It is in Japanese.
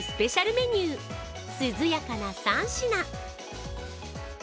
メニュー涼やかな３品。